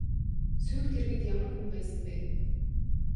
Сүйх тэргэнд ямар хүн байсан бэ?